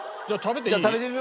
じゃあ食べていい？